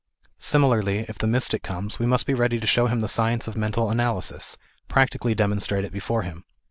Similarly, if the mystic comes, we must be ready to show him the science of mental analysis, practically demonstrate it before him.